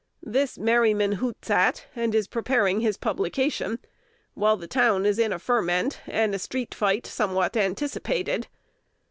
This Merryman hoots at, and is preparing his publication; while the town is in a ferment, and a street fight somewhat anticipated.